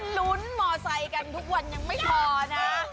ลุ้นมอไซค์กันทุกวันยังไม่พอนะ